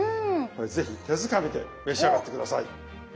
是非手づかみで召し上がって下さい。